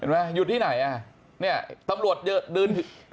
หยุดที่ไหนตำรวจดื่นถือกล้อง